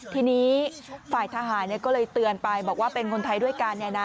ทีนี้ฝ่ายทหารก็เลยเตือนไปบอกว่าเป็นคนไทยด้วยกัน